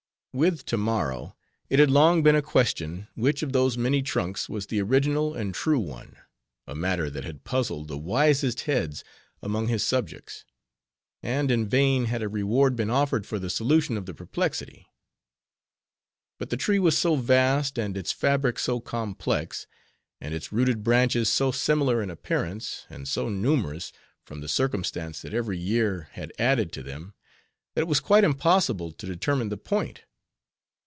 With Tammaro, it had long been a question, which of those many trunks was the original and true one; a matter that had puzzled the wisest heads among his subjects; and in vain had a reward been offered for the solution of the perplexity. But the tree was so vast, and its fabric so complex; and its rooted branches so similar in appearance; and so numerous, from the circumstance that every year had added to them, that it was quite impossible to determine the point.